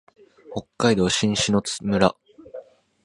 北海道新篠津村